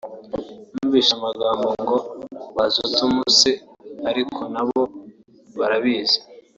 numvise amagambo ngo bazotumesa […] ariko nabo barabizi